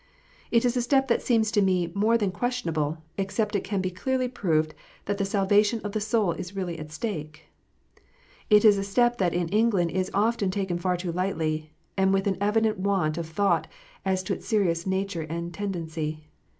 It is a step that seems to me more than questionable, except it can be clearly proved that the salvation of the soul is really at stake. It is a step that in England is often taken far too lightly, and with an evident want of thought as to its serious nature and tendency.